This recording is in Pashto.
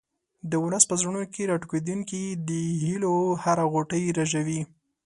د ولس په زړونو کې راټوکېدونکې د هیلو هره غوټۍ رژوي.